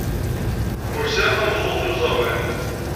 Ur sɛiɣ ara tameẓẓuɣt i uẓawan.